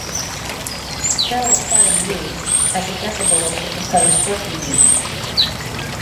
The bel is seldom used, as the decibel was the proposed working unit.